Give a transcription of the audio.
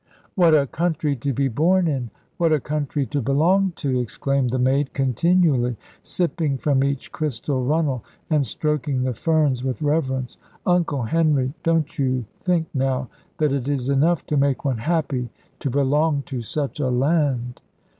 "What a country to be born in! What a country to belong to!" exclaimed the maid continually, sipping from each crystal runnel, and stroking the ferns with reverence. "Uncle Henry, don't you think now that it is enough to make one happy to belong to such a land?"